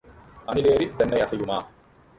அணில் ஏறித் தென்னை அசையுமா?